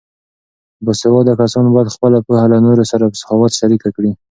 باسواده کسان باید خپله پوهه له نورو سره په سخاوت شریکه کړي.